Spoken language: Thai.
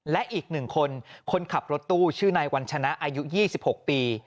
และอีก๑คนคนขับรถตู้ชื่อนายวัญชนะอายุ๒๖ปี